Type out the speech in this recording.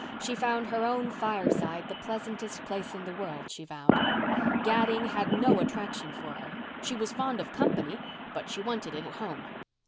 She found her own fireside the pleasantest place in the world, she vowed. Gadding had no attraction for her. She was fond of company but she wanted it at home.